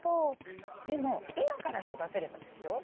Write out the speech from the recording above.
でも今から育てればですよ